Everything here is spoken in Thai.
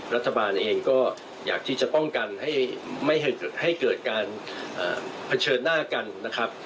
รัฐบาลเองก็อยากที่จะป้องกันให้ไม่ให้เกิดการเผชิญหน้ากันนะครับ